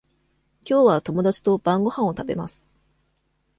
きょうは友達と晩ごはんを食べます。